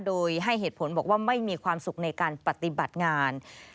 โดยให้เหตุผลบอกว่าไม่มีความสุขในการปฏิบัติงาน